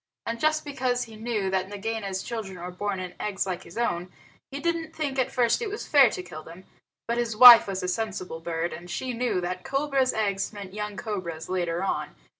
And just because he knew that Nagaina's children were born in eggs like his own, he didn't think at first that it was fair to kill them. But his wife was a sensible bird, and she knew that cobra's eggs meant young cobras later on.